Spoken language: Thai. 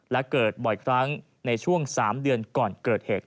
และเกิดบ่อยครั้งในช่วง๓เดือนก่อนเกิดเหตุ